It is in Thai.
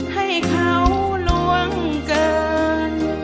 ให้เขาล่วงเกิน